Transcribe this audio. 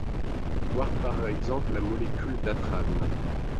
Voir par exemple la molécule d'atrane.